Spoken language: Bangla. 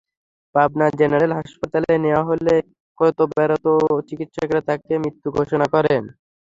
পাবনা জেনারেল হাসপাতালে নেওয়া হলে কর্তব্যরত চিকিৎসকেরা তাঁকে মৃত ঘোষণা করেন।